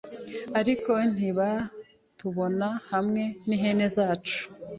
Ariko ntibatubona hamwe nihene zacu